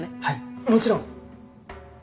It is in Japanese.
はいもちろん。